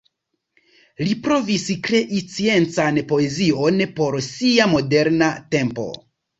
Li provis krei sciencan poezion por sia moderna tempo.